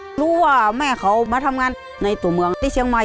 รู้ว่าแม่เขามาทำงานในตัวเมืองที่เชียงใหม่